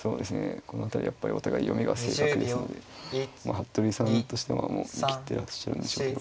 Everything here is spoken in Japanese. この辺りやっぱりお互い読みが正確ですので服部さんとしてはもう見切ってらっしゃるんでしょうけど。